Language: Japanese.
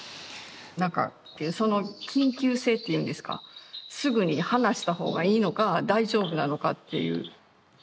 なんかその緊急性っていうんですかすぐに離した方がいいのか大丈夫なのかっていう。